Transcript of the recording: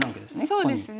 そうですね。